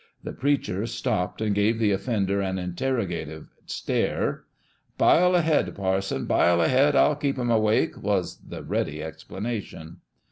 The preacher stopped and gave the offender an interrogative stare. " Bile ahead, parson ! Bile ahead ! I'll keep 'em awake !" was the ready explanation.